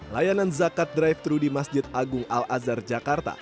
layanan zakat drive thru di masjid agung al azhar jakarta